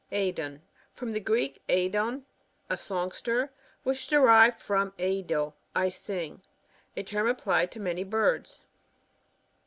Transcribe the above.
Aedon. — From the Greek aeddn^a. songster, which is derived from aeidot I sing. A term applied to many birds.